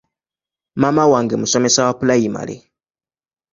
Maama wange musomesa wa pulayimale.